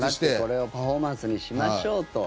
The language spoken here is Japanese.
これをパフォーマンスにしましょうと。